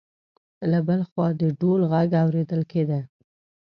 له بل خوا د ډول غږ اورېدل کېده.